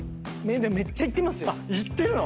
めっちゃ行ってますよ。